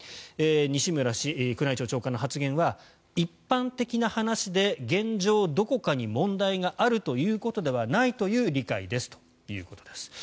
西村氏、宮内庁長官の発言は一般的な話で現状、どこかに問題があるということではないという理解ですということです。